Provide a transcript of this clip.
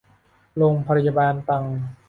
โรงพยาบาลตรัง